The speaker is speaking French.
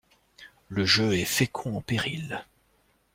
Le jeu est fécond en périls.